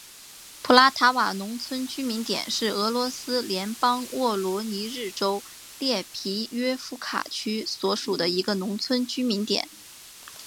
普拉塔瓦农村居民点是俄罗斯联邦沃罗涅日州列皮约夫卡区所属的一个农村居民点。